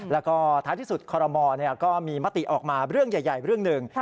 แล้วก็ท้ายที่สุดคอรมอก็มีมติออกมาเรื่องใหญ่เรื่องหนึ่ง